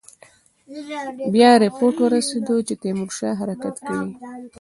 بیا رپوټ ورسېد چې تیمورشاه حرکت کوي.